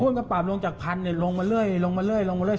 กระปรับลงจากพันลงมาเรื่อยลงมาเรื่อยลงมาเรื่อ